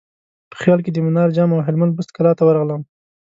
په خیال کې د منار جام او هلمند بست کلا ته ورغلم.